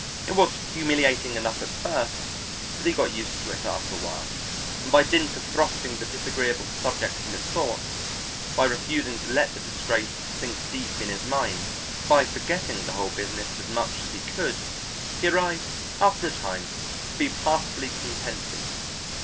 It was humiliating enough at first, but he got used to it after a while, and by dint of thrusting the disagreeable subject from his thoughts, by refusing to let the disgrace sink deep in his mind, by forgetting the whole business as much as he could, he arrived after a time to be passably contented.